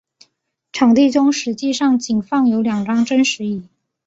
场地中实际上仅放有两张真实椅。